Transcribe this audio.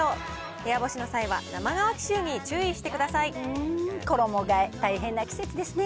部屋干しの際は、生乾き臭に注意衣がえ、大変な季節ですね。